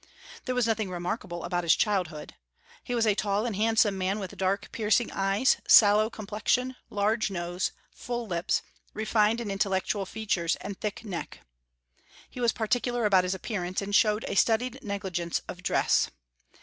There was nothing remarkable about his childhood. "He was a tall and handsome man, with dark, piercing eyes, sallow complexion, large nose, full lips, refined and intellectual features, and thick neck." He was particular about his appearance, and showed a studied negligence of dress.